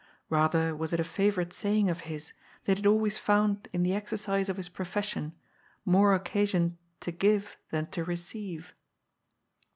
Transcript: Bather was it a favourite saying of his that he had always found in the ex ercise of his profession more occasion to give than to re ceive.